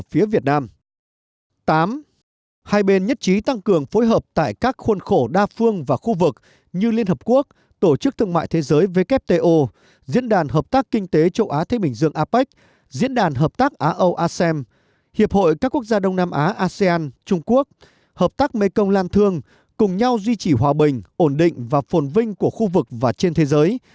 hai bên nhất trí tăng cường phối hợp tại các khuôn khổ đa phương và khu vực như liên hợp quốc tổ chức thương mại thế giới wto diễn đàn hợp tác kinh tế châu á thế bình dương apec diễn đàn hợp tác á âu asem hiệp hội các quốc gia đông nam á asean trung quốc hợp tác mekong lan thương cùng nhau duy trì hòa bình ổn định và phồn vinh của khu vực và trên thế giới